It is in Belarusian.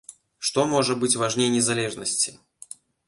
Што можа быць важней незалежнасці?